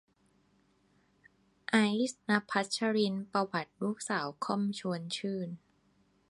ไอซ์ ณพัชรินทร์ ประวัติลูกสาวค่อม ชวนชื่น